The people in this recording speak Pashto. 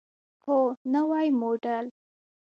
هو، نوی موډل